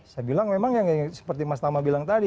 saya bilang memang yang seperti mas tama bilang tadi